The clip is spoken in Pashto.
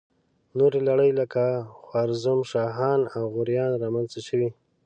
نورې لړۍ لکه خوارزم شاهان او غوریان را منځته شوې.